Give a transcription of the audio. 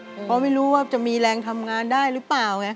เพราะไม่รู้ว่าจะมีแรงทำงานได้หรือเปล่าไง